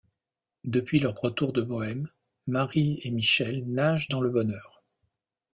Depuis leur retour de Bohême, Marie et Michel nagent dans le bonheur.